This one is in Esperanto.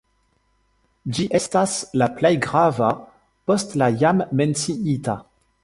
Ĝi estas la plej grava post la jam menciita.